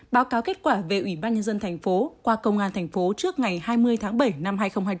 báo cáo kết quả về ủy ban nhân dân thành phố qua công an thành phố trước ngày hai mươi tháng bảy năm hai nghìn hai mươi bốn